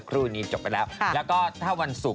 สนับสนุนโดยดีที่สุดคือการให้ไม่สิ้นสุด